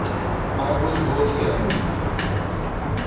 Águas do oceano.